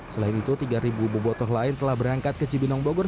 selain itu tiga bobotoh lain telah berangkat ke cibinong bogor